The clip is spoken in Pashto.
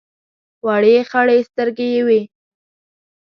وړې خړې سترګې یې وې.